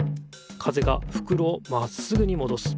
風がふくろをまっすぐにもどす。